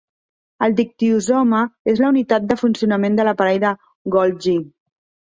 El dictiosoma és la unitat de funcionament de l'aparell de Golgi.